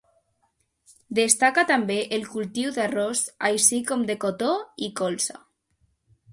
Destaca també el cultiu d'arròs així com de cotó i colza.